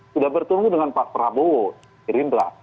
sudah bertemu dengan pak prabowo gerindra